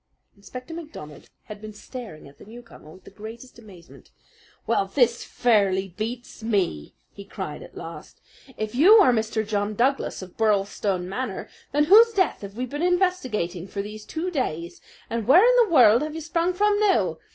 Inspector MacDonald had been staring at the newcomer with the greatest amazement. "Well, this fairly beats me!" he cried at last. "If you are Mr. John Douglas of Birlstone Manor, then whose death have we been investigating for these two days, and where in the world have you sprung from now?